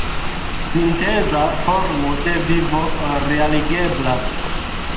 Sinteza formo de vivo realigebla!